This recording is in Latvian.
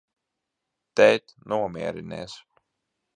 Tēt, nomierinies!